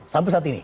sampai saat ini